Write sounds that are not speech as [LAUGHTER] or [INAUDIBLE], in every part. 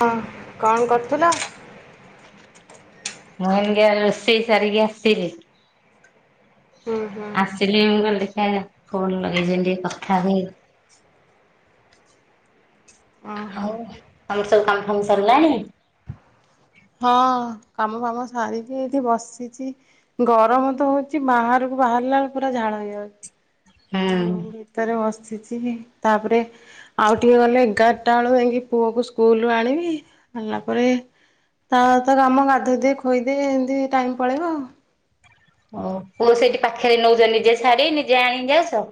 ହଁ କଣ କରୁଥିଲ? ମୁଁ ଏଇନିକା ରୋଷେଇ ସାରିକି ଆସିଲି। ହୁଁ ହୁଁ ଆସିଲି ମୁଁ କହିଲି ଦେଖିଆ ଫୋନ ଲଗେଇଛନ୍ତି ଟିକେ କଥା ହୁଏ। ଓହୋ ହଉ ତମର ସବୁ କାମ ଫାମ ସରିଲାଣି? ହଁ କାମ ଫାମ ସାରିକି ଏଠି ବସିଛି। ଗରମ ତ ହଉଚି ବାହାରକୁ ବାହାରିଲା ବେଳେ ପୁରା ଝାଳ ହେଇଯାଉଛି। ଏଇ ରୁମ୍ ହୁଁ। ଭିତରେ ବସିଛି ତାପରେ ଆଉ ଟିକିଏ ଗଲେ ଏଗାରଟା ବେଳୁ ଯାଇକି ପୁଅକୁ ସ୍କୁଲରୁ ଆଣିବି ଆଣିଲା ପରେ ତାର ତ କାମ ଗାଧେଇଦେବି ଖୋଇଦେବି ଏମିତି ଟାଇମ ପଳେଇବ ଆଉ। ଓ ପୁଅ ସେଇଠି ପାଖରେ ନଉଛ ନିଜେ ଛାଡି ନିଜେ ଆଣିି ଯାଉଛ?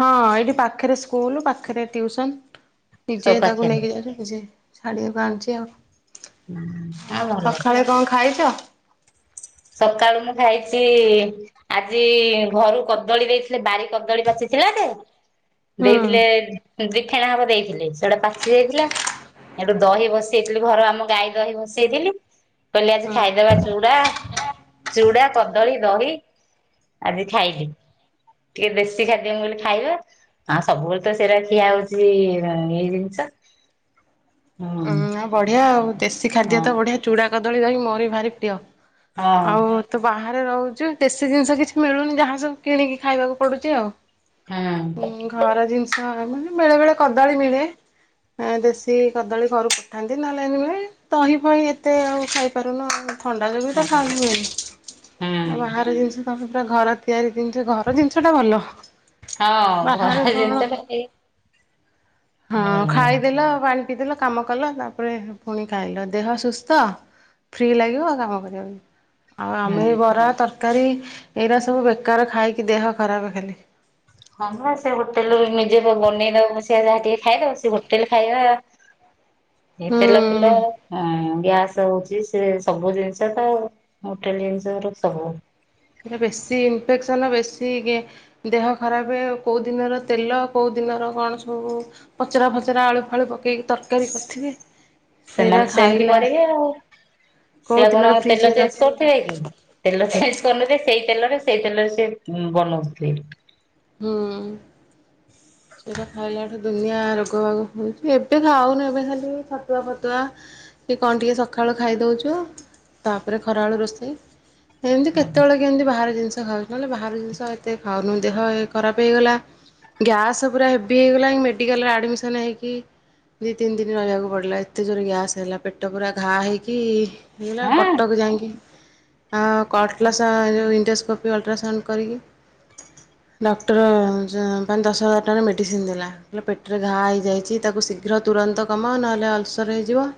ହଁ ଏଇଠି ପାଖରେ ସ୍କୁଲ ପାଖରେ ଟ୍ୟୁସନ ନିଜେ ସବୁ ପାଖରେ ତାକୁ ନେଇକି ଯାଉଚି ନିଜେ ଛାଡ଼ିବା ପାଇଁ ଆଣିଛି ହଁ ଆଉ ଭଲ। ସକାଳେ କଣ ଖାଇଛ? ସକାଳୁ ମୁଁ ଖାଇଛି ଆଜି ଘରୁ କଦଳୀ ଦେଇଥିଲେ ବାରି କଦଳୀ ପାଚିଥିଲା ଯେ ହୁଁ ଦେଇଥିଲେ ଦିଫେଣା ହବ ଦେଇଥିଲେ ସେଟା ପାଚି ଯାଇଥିଲା। ହେଠୁ ଦହି ବସେଇଥିଲି ଘର ଆମ ଗାଈ ଦହି ବସେଇଥିଲି କହିଲି ଆଜି ହୁଁ। ଖାଇଦବା ଚୁଡା ଚୁଡା କଦଳୀ ଦହି ଆଜି ଖାଇଲି। ଟିକେ ଦେଶୀ ଖାଦ୍ୟ ମୁଁ କହିଲି ଖାଇବା। ହଁ ସବୁବେଳେ ତ ସେଇରା ଖିଆ ହଉଛି ନି ଜିନିଷ। ଉଁ ହୁଁ ନାଇଁ ବଢିଆ ଆଉ ଦେଶୀ ଖାଦ୍ୟ ହଁ ତ ବଢିଆ। ଚୁଡ଼ା କଦଳୀ ଦହିି ମୋରି ବି ଭାରି ପ୍ରିୟ ହଁ ଆଉ ତୁ ବାହାରେ ରହୁଛୁ ଦେଶୀ ଜିନିଷ କିଛି ମିଳୁନି ଯାହା ସବୁ କିଣିକି ଖାଇବାକୁ ପଡୁଛି ଆଉ। ହଁ ଅଁ। ଉଁ ଘର ଜିନିଷ ମାନେ ବେଳେ ବେଳେ କଦାଳୀ ମିଳେ ଦେଶୀ କଦଳୀ ଘରୁ ପଠାନ୍ତି ନହଲେ ଦହି ଫହି ଏତେ ଆଉ ଖାଇପାରୁନ ଆ ଥଣ୍ଡା ଲ ବି ହୁଁ ତ ଖାିବନି [UNINTELLIGIBLE] ଆଉ ହୁଁ ବାହାର ଜିନିଷ ତମେ ପୁରା ଘର ତିଆରି ଜିନିଷ ଘର ଜିନିଷ ଟା ଭଲ ହଁ ବାହାରେ ଘର ଜିନିଷ କଣ ହଁ ଭଲ ଲାଗେ। ଖାଇଦେଲ ପାଣି ପିଇଦେଲ କାମ କଲ ତାପରେ ପୁଣି ଖାଇଲ ଦେହ ସୁସ୍ଥ ଫ୍ରି ଲାଗିବ ଆଉ କାମ କରିବା ପାଇଁ। ଆଉ ଆମେ ହୁଁ ବରା ତରକାରୀ ଏଇରା ସବୁ ବେକାର ଖାଇକି ଦେହ ଖରାପ ଖାଲି। ହ ସେ ହୋଟେଲରୁ ନିଜେ ବନେଇ ଦବ ସେ ଯାହା ଟିକେ ଖାଇଦବ ସେ ହୋଟେଲ ଖାଇବା ଏ ହୁଁ ତେଲ ଫେଲ ଗ୍ୟାସ ହଉଛି ସେ ସବୁ ଜିନିଷ ତ ହୋଟେଲ ଜିନିଷ ର ସବୁ ଏଟା ବେଶୀ ଇନଫେକ୍ସନ୍ ବେଶୀ ଟିକେ ଦେହ ଖରାପ କୋଉ ଦିନର ତେଲ କୋଉ ଦିନର କଣ ସବୁ ପଚରା ଫଚରା ଆଳୁ ଫାଳୁ ପକେଇକି ତର ସେମାନେ ସେମିତି ଖାଇଲା କରିବେ ଆଉ କୋଉ ସେଆ ଦିନର କଣ ତେଲ ଫ୍ରିଜରେ ଚେଞ୍ଜ ରଖି କରୁଥିବେ କି ତେଲ ଚେଞ୍ଜ କରିନଥିଲେ ସେଇ ତେଲରେ ସେଇ ତେଲରେ ସେ ବନଉଥିବେ। ହଁ। [INAUDIBLE] ସେଟା ଖାଇଲା ଠୁ ଦୁନିଆ ରୋଗ ବାଗ ହଉଛି ଏବେ ଖାଉନି ଏବେ ଖାଲି ଛତୁଆ ଫତୁଆ କି କଣ ଟିକେ ସକାଳୁ ଖାଇଦଉଛୁ ତାପରେ ଖରାବେଳୁ ରୋଷେଇ ଏମିତି କେତେବେଳେ କେ ଏମିତି ବାହାର ଜିନିଷ ଖାଉଛି ନହେଲେ ବାହାର ଜିନିଷ ଏତେ ଖାଉନୁ ଦେହ ଖରାପ ହେଇଗଲା ଗ୍ୟାସ୍ ପୁରା ହେଭି ହେଇଗଲା ମେଡିକାଲରେ ଆଡମିସନ ହେଇକି ଦିଇ ତିନି ଦିନ ରହିବାକୁ ପଡିଲା ଏତେ ଜୋରେ ଗ୍ୟାସ୍ ହେଲା ପେଟ ପୁରା ଘା ହେଇକି ହେଇଲା ହଁ କଟକ ଯାଇକି ଆଉ କଟଲାସ ଯେଉଁ ଇଣ୍ଣ୍ଡୋସ୍କୋପ୍ ଅଲଟ୍ରାସାଉଣ୍ଡ କରିକି ଡକ୍ଟର ପାଞ୍ଚ ଦଶ ହଜାର ଟଙ୍କାରେ ମେଡ଼ିସିନ୍ ଦେଲା। ହେଲେ ପେଟରେ ଘା ହେଇଯାଇଛି ତାକୁ ଶୀଘ୍ର ତୁରନ୍ତ କମାଅ ନହେଲେ ଅଲସର ହେଇଯିବ।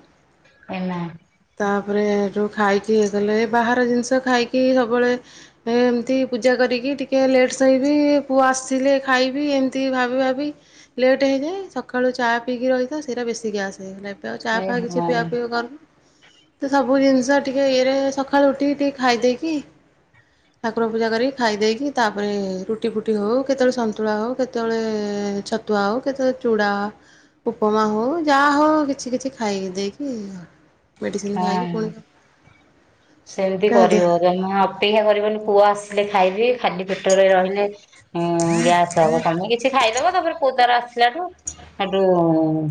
ଏ [UNINTELLIGIBLE] ତାପରେ ଏଠୁ ଖାଇକି ହେଇଗଲେ ବାହାର ଜିନିଷ ଖାଇକି ସବୁବେଳେ ଏମିତି ପୂଜା କରିକି ଟିକିଏ ଲେଟ୍ ଶୋଇବି ପୁଅ ଆସିଲେ ଖାଇବି ଏମିତି ଭାବି ଭାବି ଲେଟ୍ ହେଇଯାଏ ସକାଳୁ ଚା ପିଇକି ରହିଥାଉ ସେଇଟା ବେଶୀ ଗ୍ୟାସ୍ ହେଇଗଲା। ଚା ଏ ଫାଇ କିଛି ହଁ ପିଆ ପିଇ କରୁନୁ ତ ସବୁ ଜିନିଷ ଟିକେ ଇଏରେ ସକାଳୁ ଉଠିକି ଟିକେ ଖାଇଦେଇକି ଠାକୁର ପୂଜା କରିକି ଖାଇ ଦେଇକି ତାପରେ ର ଟି ଫୁଟି ହଉ କେତେବେଳେ ସନ୍ତୁଳା ହଉ କେତେବେଳେ ଛତୁଆ ହଉ କେତେବେଳେ ଚୁଡା ଉପମା ହଉ ଯାହା ହଉ କିଛି କିଛି ଖାଇକି ଦେଇକି ମେଡ଼ିସିନ ହଁ ଖାଇକି ପୁଣି ସେମିତି ତା ଦେହ କରିବ [UNINTELLIGIBLE] ଅପେକ୍ଷା କରିବନି ପୁଅ ଆସିଲେ ଖାଇବି। ଖାଲି ପେଟରେ ରହିଲେ ଗ୍ୟାସ ହବ ତମେ କିଛି ଖାଇଦବ ତାପରେ ପୁଅ ତାର ଆସିଲାଠୁ ସେଠୁ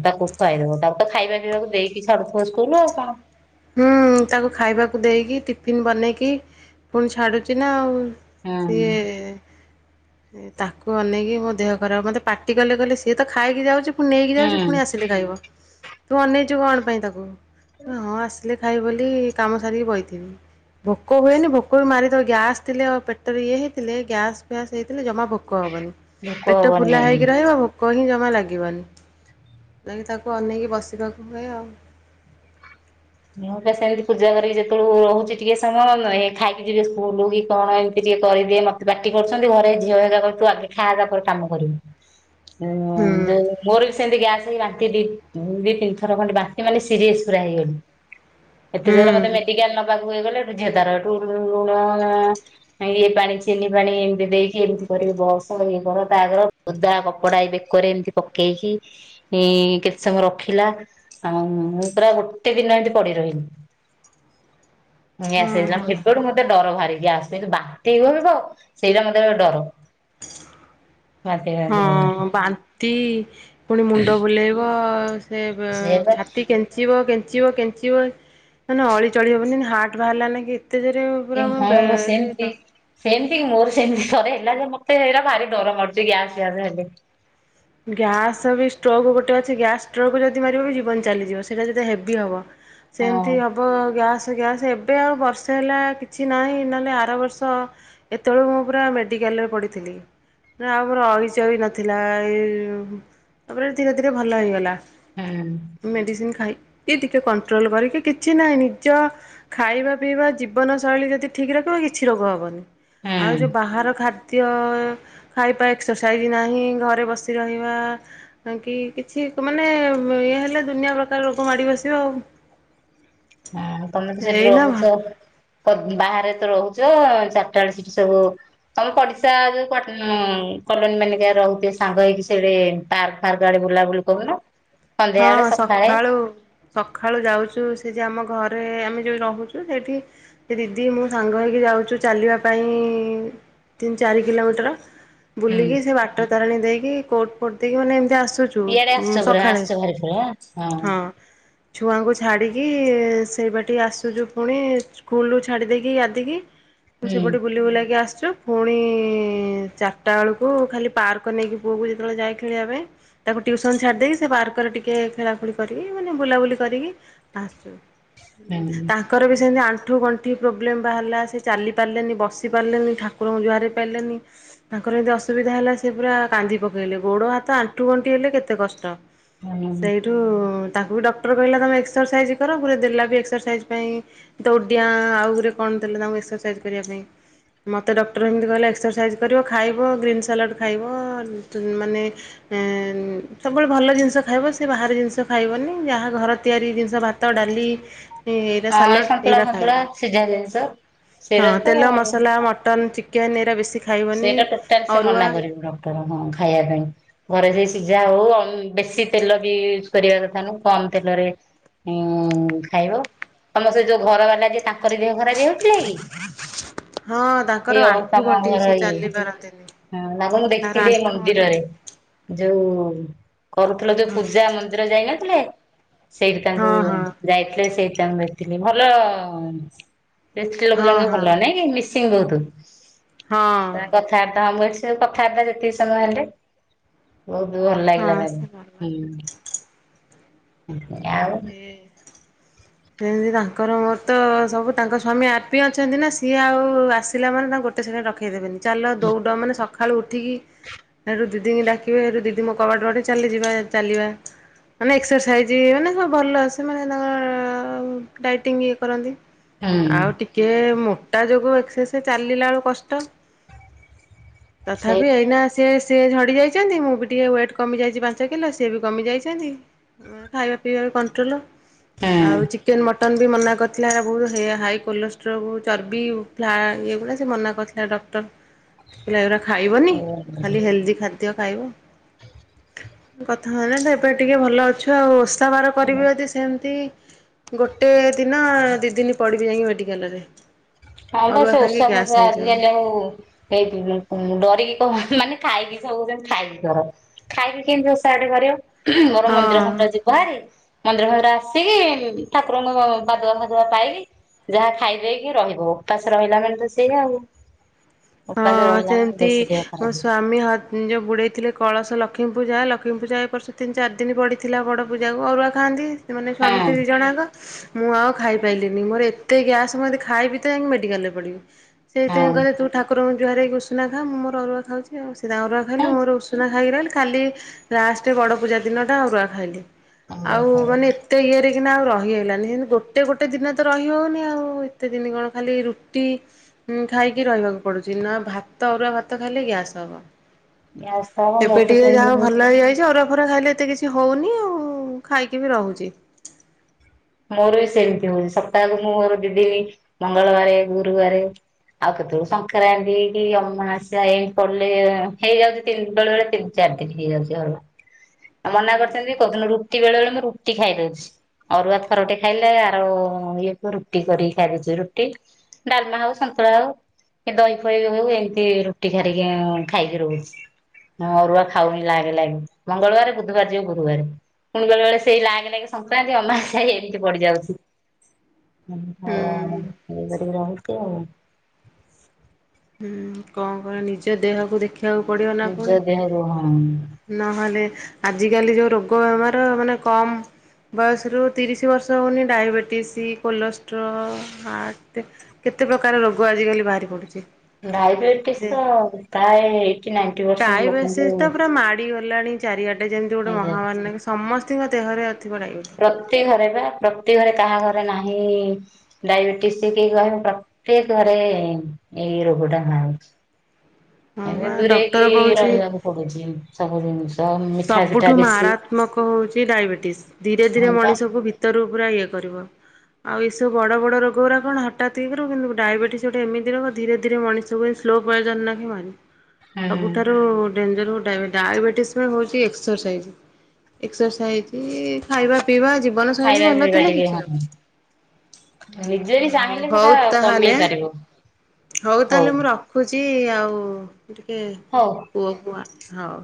ତାକୁ ଖୁଆଇଦବ ତାକୁ ତ ଖାଇବା ପିଇବାକୁ ଦେଇକି ଛାଡୁଥିବ ସ୍କୁଲ ଆଉ କଣ। ହୁଁ ତାକୁ ଖାଇବାକୁ ଦେଇକି ଟିଫିିନ ବନେଇକି ପୁଣି ଛାଡୁଛି ନା ଆଉ। ସେ ହୁଁ ତାକୁ ଅନେଇକି ମୋ ଦେହ ଖରାପ ମତେ ପାଟି କଲେ କଲେ ସିଏ ତ ଖାଇକି ଯାଉଛି ପୁଣି ନେଇକି ଯାଉଚି ପୁଣି ହୁଁ ଆସିଲେ ଖାଇବ ତୁ ଅନେଇଚୁ କଣ ପାଇଁ ତାକୁ ହଁ ଆସୁ। ଆସଲେ ଖାଇବ ବୋଲି କାମ ସାରିକି ବଇଚି। ଭୋକ ହୁଏନି ଭୋକ ବି ମାରିଦବ ଗ୍ୟାସ୍ ଥିଲେ ଆଉ ପେଟରେ ଇଏ ହେଇଥିଲେ ଗ୍ୟାସ୍ ଫ୍ୟାସ୍ ହେଇଥିଲେ ଜମା ଭୋକ୍ ଭୋକ ହବନି ଭୋକ ପେଟ ହବନି ଫୁଲା ଜମା। ହେଇକି ରହିବ ଭୋକ୍ ପୋକ ହିଁ ଜମା ଲାଗିବନି ତେଣୁତାକୁ ଅନେଇକି ବସିବାକୁ ହୁଏ ଆଉ। ମୁଁ ତ ସେମିତି ପୂଜା କରିକି ଯେତେବେଳୁ ରହୁଚି ଟିକେ ସମୟ ଖାଇକି ଯିବେ ସ୍କୁଲ କି କଣ ଏମିତ୍ ଟିକେ କରିଦିଏ ମତେ ପାଟି କରୁଚନ୍ତି ଘରେ ଝିଅ ହେଇରିକା କଉଚି ତୁ ଆଗେ ଖାଆ ତାପରେ କାମ କରିବୁ। ହୁଁ ଯୋଉ ମୋର ବି ସେମିତି ଗ୍ୟାସ୍ ହେଇ ବାନ୍ତି ଦି ଦି ତିନି ଥର ଖଣ୍ଡେ ବାନ୍ତି ମାନେ ସିରିଏସ୍ ପୁରା ହେଇଗଲି। ଏତେ ହୁଁ ଜୋର ମତେ ମେଡିକାଲ ନବାକୁ ହେଇଗଲେ ଝିଅ ତାର ଏଠୁ ଲୁଣ ଇଏ ପାଣି ଚିନି ପାଣି ଏମିତି ଦେଇକି ଏମିତି କରିକି ବସ ଇଏ କର ତା କର ଓଦା କପଡା ଏଇ ବେକରେ ଏମିତି ପକେଇକି ହିଁ କେତେ ସମୟ ରଖିଲା ଆଉ ପୁରା ଗୋଟେ ଦିନ ଏଟି ପଡି ରହିଲି। ହଁ ଗ୍ୟାସ୍ ହେଇଥିଲା ହଁ ସେବେଟୁ ମତେ ଡର ଭାରି ଗ୍ୟାସ। ସେ ଯୋଉ ବାନ୍ତିହଉନଥିବ ସେଇଟା ମତେ ଭାରି ଡର। ବାନ୍ତି ହଁ ଫାନ୍ତି ହବ ବାନ୍ତି ପୁଣି ମୁଣ୍ଡ ବୁଲେଇବ। ସେ ବ ଛାତି କେମ୍ କେଞ୍ଚିବ କେଞ୍ଚିବ କେଞ୍ଚିବ ମାନେ ଅଳି ଚଳି ହବନି ହାର୍ଟ ବାହାରିଲାନା କେ ଏତେ ଜୋରେ ଆଉ। [INAUDIBLE] ସେମିତି। ସେମିତି କି ମୋର ସେମିତି ଥରେ ହେଲା ଯେ ମତେ ସେହେରା ଭାରି ଡର ମାଡୁଚି ଗ୍ୟାସ୍ ଫ୍ୟାସ୍ ହେଲେ। ଗ୍ୟାସ୍ ବି ଷ୍ଟୋକ୍ ଗୋଟେ ଅଛି ଗ୍ୟାସ୍ ଷ୍ଟୋକ୍ ଯଦି ମାରିବ ବି ଜୀବନ ଚାଲିଯିବ ସେଇଟା ଯଦି ହେବି ହବ। ହଁ ସେମିତି ହବ ଗ୍ୟାସ୍ ଗ୍ୟାସ୍ଏବ୍ ଏବେ ଆଉ ବର୍ଷେ ହେଲା କିଛି ନାହିଁ ନଲେ ଆର ବର୍ଷ ଏତେବେଳକୁ ମୁଁ ପୁରା ମେଡିକାଲ ରେ ପଢିଥିଲି ଆଉ ନା ମୋର ଅଳିଚଳି ନଥିଲା। ଏଇ ଯୋଉ ତାପରେ ଧୀରେ ଧୀରେ ଭଲ ହେଇଗଲା। ହୁଁ। ମେଡିସିନ୍ ଖାଇକି ଟିକେ କଣ୍ଟ୍ରୋଲ୍ କରିକି କିଛି ନାହିଁ ନିଜ ଖାଇବା ପିଇବା ଜୀବନ ଶୈଳୀ ଯଦି ଠିକ୍ ରଖିବ କିଛି ରୋଗ ହବନି। ଆଉ ହୁଁ ଯୋଉ ବାହାର ଖାଦ୍ୟ ଖାଇବା ଏକ୍ସରସାଇଜ୍ ନାହିଁ ଘରେ ବସି କି ରହିବା। କା କିି କିଛି ମାନେ ଇଏ ହେଲେ ଦୁନିଆ ପ୍ରକାର ରୋଗ ମାଡ଼ି ବସିବ ଆଉ। ହଁ ତମେ ତ ସେଠି ଏଇନା ରହୁଚ। ଭଲ ତ ବାହାରେ ତ ରହୁଚ ଚାରିଟା ବେଳେ ସେଠି ସବୁ ତମ ପଡିଶା ଯୋଉ କୁଟାନ୍ କଲୋନୀ ମାନେ କେ ରହୁଥିବେ ସାଙ୍ଗ ହେଇକି ସିଆଡେ ପାର୍କ ଫାର୍କ ଆଡେ ବୁଲାବୁଲି କରୁନ ସନ୍ଧ୍ୟା ବେଳେ ସକାଳେ। ସଖାଳୁ ଯାଉଚୁ ସେ ଯୋଉ ଆମ ଘରେ ଆମେ ଯୋଉ ରହୁଚୁ ସେଇଠି ସେ ଦିଦି ମୁଁ ସାଙ୍ଗ ହେଇକି ଯାଉଚୁ ଚାଲିବା ପାଇଁ। ତିନି ଚାରି କିଲୋମିଟର ହୁଁ। ବୁଲିକି ସେ ବାଟ ତାରିଣୀ ଦେଇକି କୋଟ୍ ଫୋଟ୍ ଦେଇକି ମାନେ ଏମିତି ଆସୁଚୁ। ଇଆଡେ ଆସୁଚ ପୁରା ଆସୁଚ ଭାରି ଭଲ ହଁ। ଛୁଆଙ୍କୁ ଛାଡ଼ିକି ସେଇବାଟି ଆସୁଚୁ ପୁଣି ସ୍କୁଲରୁ ଛାଡ଼ିଦେଇକି ଗାଧିକି ପୁ ହୁଁ ସେପଟେ ବୁଲି ବୁଲାକି ଆସୁଚୁ ପୁଣି ଚାରିଟା ଏଳକୁ ଖାଲି ପାର୍କ ନେଇକି ପୁଅକୁ ଯେତେବେଳେ ଯାଏ ଖେଳିବା ପାଇଁ। ତାକୁ ଟିଉସନ୍ ଛାଡି ଦେଇକି ସେ ପାର୍କରେ ଟି ଟିକେ ଖେଳା ଖେଳି କରିକି ମାନେ ବୁଲାବୁଲି କରିକି ଆସୁ। ହୁଁ। ତା ତାଙ୍କର ବି ସେମିତି ଆଣ୍ଠୁ ଗଣ୍ଠି ପ୍ରୋବ୍ଲେମ୍ ବାହାରିଲା ସେ ଚାଲି ପାରିଲେନି ବସି ପାରିଲେନି ଠାକୁରଙ୍କୁ ଜୁହାର ହେଇ ପାରିଲେନି। ତାଙ୍କର ଏମିତି ଅସୁବିଧା ହେଲା ସେ ପୁରା କାନ୍ଦି ପକେଇଲେ ଗୋଡ଼ ହାତ ଆଣ୍ଠୁ ଗଣ୍ଠି ହେଲେ କେତେ କଷ୍ଟ, ହୁଁ ସେଇଠୁ ତାଙ୍କୁ ବି ଡକ୍ଟର କହିଲା ତମେ ଏକ୍ସରସାଇଜ କର ଗୁରେ ଦେଲା ବି ଏକ୍ସରସାଇଜ ପାଇଁ ଦଡିଆ ଆଉ ଗୋରେ କଣ ଦେଲେ ତାଙ୍କୁ ଏକ୍ସରସାଇଜ କରିବା ପାଇଁ। ମୋତେ ଡକ୍ଟର ଏମିତି କହିଲା ଏକ୍ସରସାଇଜ୍ କରିବ ଖାଇବ ଗ୍ରୀନ୍ ସାଲାଡ଼୍ ଖାଇବ ମାନେ ଉଁ ସବୁବେଳେ ଭଲ ଜିନିଷ ଖାଇବ ସେ ବାହାରେ ଜିନିଷ ଖାଇବନି ଯାହା ଘର ତିଆରି ଜିନିଷ ଭାତ ଡାଲି ହଁ ଏଇ ସାଲାଟ ସନ୍ତୁଳା ଏଇରା ଫନ୍ତୁଳା ଖାଇବା ସିଝା ଜିନିଷ ହଁ ସେଇଟା ତ ତେଲ ମସଲା ମଟନ୍ ଚି କେ ନେରା ବଶିକ [INAUDIBLE] ସେଇଟା ଟୋଟାଲ ସେ ମନା କରିବ ଡକ୍ଟର ହଁ ଖାଇବା ପାଇଁ। ଘରେ ସେ ସିଝା ହଉ ବେଶୀ ତେଲ ବି ୟୁଜ କରିବା କଥା ନୁହୁଁ କମ ତେଲରେ ହୁଁ ଖାଇବ ତମର ସେ ଯୋଉ ଘର ବାଲା ଯେ ତାଙ୍କର ଦେହ ଖରାପ ହଉଥିଲା କି? ହଁ ତାଙ୍କର ଆଠ ଘଣ୍ଟ ମୋର ଇଏ ତାଙ୍କୁ ମୁଁ ତାଙ୍କର ଦେଖଥିଲି ଏ ଆଣ୍ଠୁ ଗଣ୍ଠି ମନ୍ଦିରରେ। ଯୋଉ କରୁଥିଲ ଯୋଉ ହଁ। ପୂଜା ମନ୍ଦିର ଯାଇନଥିଲେ। ସେଇଠି ତାଙ୍କୁ ହଁ ହଁ ଯାଇଥିଲେ ସେଇଠି ତାଙ୍କୁ ଦେଖିଥିଲି ଭଲ ଲୋକ ହଁ ଜଣକ ହଁ ଭଲ ନାଇଁ କି ମିସିଙ୍ଗ ବହୁତ। ହଁ ତାଙ୍କ କଥାବାର୍ତ୍ତା ହଁ ମୁଁ ସେ କଥାବାର୍ତ୍ତା ଯେତିକି ସମୟ ହେଲି ବହୁତୁ ଭଲ ଲାଗିଲା ହଁ ସେ ଭଲ। ତାକୁ ଆଉ [UNINTELLIGIBLE] ଯେମିତି ତାଙ୍କର ମୋର ତ ସବୁ ତାଙ୍କ ସ୍ୱାମୀ ଆର୍ପି ଅଛନ୍ତି ନା ସିଏ ଆଉ ଆସିଲା ମାନେ ତାଙ୍କ ଗୋ ସେ ରଖେଇଦେବେନି ଚାଲ ଦୌଡ ମାନେ ସକାଳୁ ଉଠିକି ହେରୁ ଦିଦି ଙ୍କୁ ଡାକିବେ ହେଟୁ ଦିଦି ମୋ କବାଟ ବାଡେଇବେ ଚାଲି ଯିବା ଚାଲିବା। ମାନେ ଏକ୍ସରସାଇଜି ମାନେ ଭଲ ସେମାନେ ତାଙ୍କର ଡାଇଟିଙ୍ଗ ଇଏ କରନ୍ତି ହୁଁ ଆଉ ଟିକେ ଏ ମୋଟା ଯୋଗୁ [INAUDIBLE] ଚାଲିଲା ବେଳୁ କଷ୍ଟ ତଥାପି ସେଇଠୁ ଏଇନା ସେ ସିଏ ଝଡ଼ି ଯାଇଚନ୍ତି ମୁଁ ବି ଟିକେ ୱେଟ୍ କମିଯାଇଚି ପାଞ୍ଚ କିଲ ସିଏ ବି କମିଯାଇଚନ୍ତି ଖାଇବା ପିଇବାରେ କଣ୍ଟ୍ରୋଲ ଆଉ ଚିକେନ ମଟନ ମଟନ ବି ମନା କରିଥିଲା ବହୁତ ହେୟା ହାଇ କୋଲେଷ୍ଟ୍ରୋଲ୍ ଚର୍ବି ଫ୍ଲା ଇଏଗୁଡ଼ା ସେ ମନା କରିଥିଲା ଡକ୍ଟର। ହ କହିଲା ଏଗୁଡା ଖାଇବନି ଖାଲି ହେଲ୍ଦି ଖାଦ୍ୟ ଖାଇବ। କଥା ହଉନୁ ତ ଏବେ ଟିକେ ଭଲ ଅଛୁ ଆଉ। ଓଷା ବାର ହୁଁ। କରିବି ଯଦି ସେମିତି ଗୋଟେ ଦିନ ଦି ଦିନ ପଡିବି ଯାଇକି ମେଡିକାଲରେ। ଖାଇବା ସେ ଓଷା ଫଷା ଆଜିିକାଲି ଆଉ ଏଇ ଡରିକିକେହି କରୁନାହାନ୍ତି। ଖାଇକି ସବୁ ଯେମିତି ଖାଇକି କର ଖାଇକି କେମତି ଓଷାଗୋଟେ କରିବ ମୋର ମନ୍ଦିର ହଁ। ଖଣ୍ଡ ଭହାରି ମନ୍ଦିର ଫନ୍ଦିର ଆସିକି ଠାକୁରଙ୍କପାଦୁକ ଫାଦୁକ ପାଇଲି। ଯାହା ଖାଇଦେଇକି ରହିବ ଉପାସ ରହିଲା ମାନେ ତ ସେଇଆ ଆଉ। ଉପାସ ହଁ ରହିଲା ମାନେ ବେଶୀ ଦେହ ସେମିତିମୋ ଖରାପ ହଁ ସ୍ଵାମୀ ନିଯେ ବୁଡ଼େଇ ଥିଲେ କଳସ ଲକ୍ଷ୍ମୀପୂଜା ଲକ୍ଷ୍ମୀ ପୂଜା ଏପର୍ଷ ତିନି ଚାରି ଦିନ ପଡ଼ିଥିଲା ବଡ଼ ପୂଜାକୁ ଅରୁଆ ଖାଆନ୍ତି। ସେ ମାନେ ସ୍ୱାମୀ ହଁ। ସ୍ତ୍ରୀ ଦି ଜଣଯାକ। ମୁଁ ଆଉ ଖାଇପାରଲିିନି ମୋର ଏତେ ଗ୍ୟାସ୍ ମାନେ ଖାଇଵି ତ ମେଡ଼ିକାଲରେ ପଡ଼ିବି। ସେଇଥିପାଇ ହଁ। କହିଲେ ତୁ ଠାକୁରଙ୍କୁୁଜୁହାରେ ହେଇକି ଉଷୁନା ଖା ମୁଁ ଅରୁଆ ଖାଉଛି। ସେ କିଛି ନାହିଁ ଅରୁଆ ଖାଇଲେ ମୋର ଉଷୁନା ଖାଇକି ରହିଲି। ଲାଷ୍ଟେ ବଡ଼ ପୂଜା ଦିନଟା ଆଉରୁଆ ଖାଇଲି ଆଉ ମାନେ ଏତେ ଇଏରେ କିନା ଆଉ ରହିହେଲାନି ସେମିତି ଗୋଟେ ଗୋଟେ ଦିନ ତ ରହିହଉନି ଆଉ ଏତେ ଦିନ କଣ ଖାଲି ରୁଟି ଉଁ ଖାଇକି ରହିବାକୁ ପଡୁଛି, ନା ଭାତ ଅରୁଆ ଭାତ ଖାଇଲେ ଗ୍ୟାସ୍ ହବ। ଏବେ ମୋରତ ଟିକେ ଯାହା ସେମିତି ହଉ ହଉଛି। ଭଲ ହେଇଯାଇଛି ଅରୁଆ ଫରୁଆ ଖାଇଲେ ଏତେ କିଛି ହଉନି ଆଉ ଖାଇକି ବି ରହୁଛି। ମୋର ବି ସେମିତି ହଉଛି, ସପ୍ତାହକୁ ମୁଁ ମୋର ଦି ଦିନି ମଙ୍ଗଳବାରେ, ଗୁରୁବାରେ ଆଉ କେତେବେଳେ ଶଙ୍କରାନ୍ତିି କି ଅମାଆସ୍ୟା ଏମ୍ ପଡିଲେ ହେଇଯାଉଚି ତିନ୍ ବେଳେ ବେଳେ ତିନ୍ ଚାରିଦିନ୍ ହେଇଯାଉଚି ଆଉ। ଆ ମନା କରିଚନ୍ତି କଉ ଦିନ ରୁଟି ବେଳେବେଳେ ମୁଁ ରୁଟି ଖାଇଦଉଚି, ଅରୁଆ ତ ଥରଟେ ଖାଇଲେ ଆର ଇଏକୁ ରୁଟି କରିକି ଖାଇଦଉଚି ରୁଟି। ଡ଼ାଲମା ହଉ ସନ୍ତୁଳା ହଉ। ଏ ଦହି ଫହି ହଉ ଏମିତି ରୁଟି ଖାରିକି ଖାଇକି ରହୁଚି। ମୁଁ ଅରୁଆ ଖାଉନି ଲାଗେ ଲାଗେ, ମଙ୍ଗଳବାରେ ବୁଧବାର ଯିବ ଗୁରୁବାରେ। ପୁଣି ବେଳେ ବେଳେ ସେଇ ଲାଗେ ଲାଗେ ସଂକ୍ରାନ୍ତି ଅମାବାସ୍ୟା ହେଇ ଏମିତି ପଡିଯାଉଚି ହୁଁ [UNINTELLIGIBLE] ଇଏ କରିକି ରହୁଚି ଆଉ। ହୁଁ କଣ କରିବ ନିଜ ଦେହକୁ ଦେଖିଆକୁ ପଡ଼ିବ ନା ପୁଣି। ନିଜ ଦେହରୁ ହଁ। ନହଲେ ଆଜିକାଲି ଯୋଉ ରୋଗ ବେମାର ମାନେ କମ୍ ବୟସରୁ ତିରିଶ ବର୍ଷ ହଉନି ଡାଇବେଟିସି, କୋଲେଷ୍ଟ୍ରୋ, ହାର୍ଟ କେତେ ପ୍ରକାର ରୋଗ ଆଜିକାଲି ବାହାରି ପଡୁଚି। ଡାଇବେଟିସ୍ ତ ପ୍ରାୟ ଏୟିଟ୍ଟୀ ନାଇଣ୍ଟି ପରସେଣ୍ଟ ଲୋକଙ୍କୁ ମାତି ଗଲାଣି ଚାରିଆଡ଼େ, ଯେମିତି ଗୋଟେ ମହାମାରି ହେଇଯାଇଛି। ନାହିଁକି ସମସ୍ତିଙ୍କ ଦେହରେ ଅ ଥିବ ଡାଇବେଟି ପ୍ରତି ଘରେ ପା, ପ୍ରତି ଘରେ କାହା ଘରେ ନାହିଁ ଡାଇବେଟିସ୍ ସେ କେହି କହିବେ ପ୍ରତ୍ୟେକ ଘରେ ଇଁ ଏଇ ରୋଗଟା ହଉଚି। ହଁ ଏବେ ବା ଦୂରେଇକି ଡକ୍ଟର କହୁଛି ରହିବାକୁ ପଡୁଛି ସବୁ ଜିନିଷ, ମି ସବୁଠୁ ମାରାତ୍ମକ ହଉଚି ଡାଇବେଟିସ୍, ଧୀରେ ଧୀରେ ହଁ ପା ମଣିଷକୁ ଭି ଭିତରୁ ପୁରା ଇଏ କରିବ। ଆଉ ଏସବୁ ବଡ଼ ବଡ଼ ରୋଗ ଗୁରା କଣ ହଠାତ୍ ଇଏ କରିବ କିନ୍ତୁ ଡାଇବେଟିସ୍ ଗୋଟେ ଏମିତି ରୋଗ ଧୀରେ ଧୀରେ ମଣିଷକୁ ସ୍ଲୋ ପଏଜନ୍ ନାଖେ ମାରୁ, ହୁଁ ସବୁଠାରୁ ଡେଞ୍ଜର ହୁ ଡ଼ାଇବେ ଡ଼ାଇବେଟିସ୍ [UNINTELLIGIBLE] ହଉଚି ଏକ୍ସରସାଇଜ, ଏକ୍ସରସାଇଜ ଖାଇବା ପିଇବା ଜି ଜୀବନ ଶୈଳୀ ଖାଇବା ଭଲ ପିଇବା ଥିଲେ ଟିକେ କିଛି ହଁ ହବନି। ନିଜେ ବି ଉଁ ହଉ, ଚାହିଁଲେ ସେଟା ହଉ କମେଇ ତାହେଲେ, ପାରିବ ହଉ ତାହେଲେ ମୁଁ ର ଖୁଚି ଆଉ ଟିକେ ହଉ। ପୁଅକୁୁ ଆସ୍ ହଉ।